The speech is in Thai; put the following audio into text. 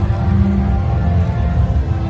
สโลแมคริปราบาล